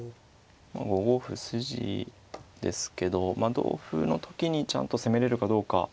５五歩筋ですけど同歩の時にちゃんと攻めれるかどうか。